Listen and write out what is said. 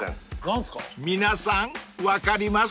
［皆さん分かります？］